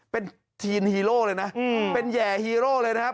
เป็นทีมฮีโร่เลยนะเป็นแห่ฮีโร่เลยนะครับ